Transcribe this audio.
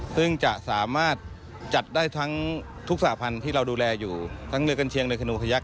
ซึ่งจะสามารถจัดได้ทั้งทุกสาพันธุ์ที่เราดูแลอยู่ทั้งเรือกัญเชียงเรือขนูขยัก